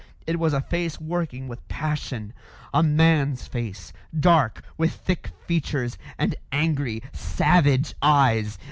It was a face working with passion; a man's face, dark, with thick features, and angry, savage eyes.